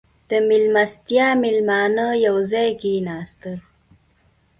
• د میلمستیا مېلمانه یو ځای کښېناستل.